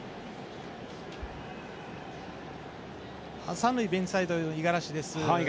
３塁ベンチサイド五十嵐です。